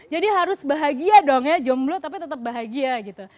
jadi harus bahagia dong ya jomblo tapi tetap bahagia gitu